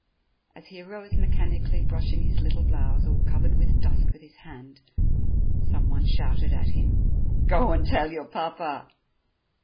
As he arose mechanically brushing his little blouse all covered with dust with his hand, some one shouted at him: "Go and tell your Papa."